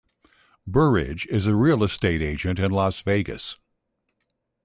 Burridge is a real estate agent in Las Vegas.